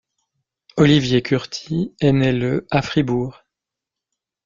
Olivier Curty est né le à Fribourg.